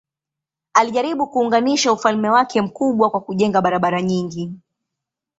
Alijaribu kuunganisha ufalme wake mkubwa kwa kujenga barabara nyingi.